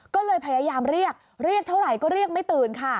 ก็เลยพยายามเรียกเรียกเท่าไหร่ก็เรียกไม่ตื่นค่ะ